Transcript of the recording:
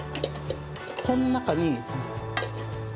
この中に。